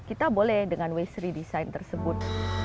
kita boleh dengan waste redesign tersebut